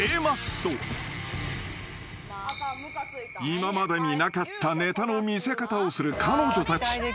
［今までになかったネタの見せ方をする彼女たち］